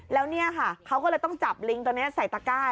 แล้วเนี่ยค่ะเขาก็เลยต้องจับลิงตัวนี้ใส่ตะก้า